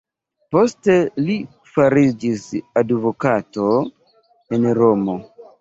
Poste li fariĝis advokato en Romo.